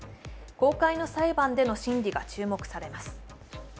公開の裁判での審理が注目されます。